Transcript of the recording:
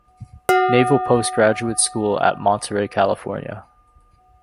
Naval Postgraduate School at Monterey, California.